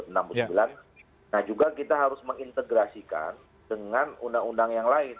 nah juga kita harus mengintegrasikan dengan undang undang yang lain